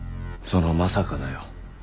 そのまさかだよ。